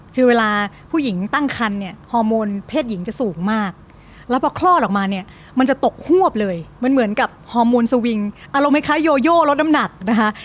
คือเวลาผู้หญิงตั้งคันเนี่ยฮอร์โมนเพศหญิงจะสูงมากแล้วพอคลอดออกมาเนี่ยมันจะตกฮวบเลยมันเหมือนกับฮอร์โมนสวิงอารมณ์ไหมคะโยโยลดน้ำหนักนะคะ